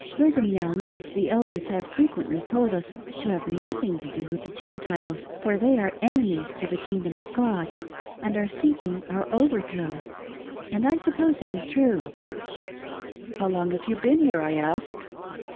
Brigham Young and the Elders have frequently told us to have nothing to do with the Gentiles, for they are enemies to the kingdom of God, and are seeking our over throw— and I suppose it is true." " How long have you been here ?" I asked.